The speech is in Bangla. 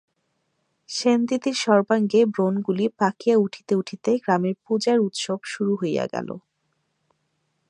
সেনদিদির সর্বাঙ্গে ব্রনগুলি পাকিয়া উঠিতে উঠিতে গ্রামের পূজার উৎসব শুরু হইয়া গেল।